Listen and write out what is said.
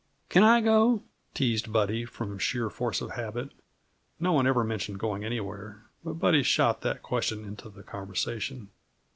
"Can I go?" teased Buddy, from sheer force of habit; no one ever mentioned going anywhere, but Buddy shot that question into the conversation.